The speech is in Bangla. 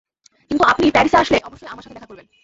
কিন্তু, আপনি প্যারিসে আসলে অবশ্যই আমার সাথে দেখা করবেন।